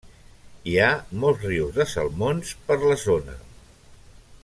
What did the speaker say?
Hi ha molts rius de salmons per la zona.